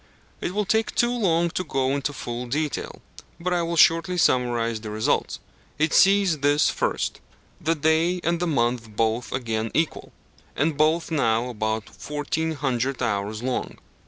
It will take too long to go into full detail: but I will shortly summarize the results. It sees this first the day and the month both again equal, but both now about 1,400 hours long.